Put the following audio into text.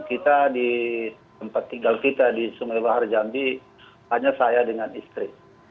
kita di tempat tinggal kita di sumewa harjandi hanya saya dengan istri